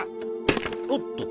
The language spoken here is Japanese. おっと。